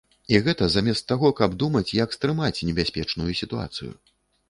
І гэта замест таго, каб думаць, як стрымаць небяспечную сітуацыю.